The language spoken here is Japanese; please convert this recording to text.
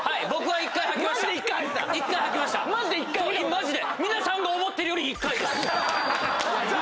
マジで。